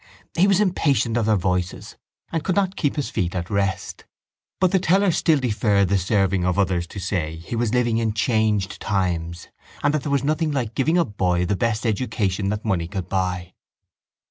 He was impatient of their voices and could not keep his feet at rest. But the teller still deferred the serving of others to say he was living in changed times and that there was nothing like giving a boy the best education that money could buy.